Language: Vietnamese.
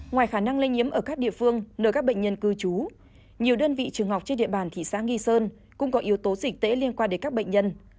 ngoài khả năng lây nhiễm ở các địa phương nơi các bệnh nhân cư trú nhiều đơn vị trường học trên địa bàn thị xã nghi sơn cũng có yếu tố dịch tễ liên quan đến các bệnh nhân